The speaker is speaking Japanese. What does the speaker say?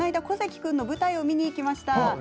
小関君の舞台を見に行きました。